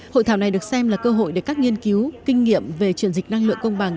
hội thảo này được xem là cơ hội để các nghiên cứu kinh nghiệm về chuyển dịch năng lượng công bằng